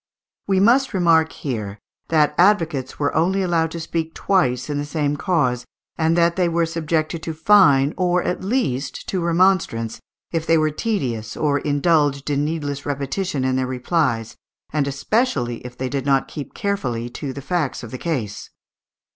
We must remark here that advocates were only allowed to speak twice in the same cause, and that they were subjected to fine, or at least to remonstrance, if they were tedious or indulged in needless repetition in their replies, and especially if they did not keep carefully to the facts of the case.